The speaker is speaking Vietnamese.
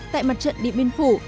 tại mặt trận điện biên phủ